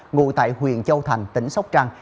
ngủ tại huyện châu thành tỉnh sóc trăng